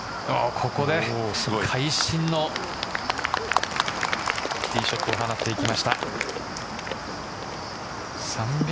ここで会心のティーショットを放っていきました。